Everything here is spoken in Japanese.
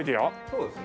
そうですね。